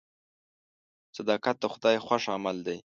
صداقت د خدای خوښ عمل دی.